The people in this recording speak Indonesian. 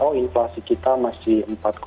oh inflasi kita masih empat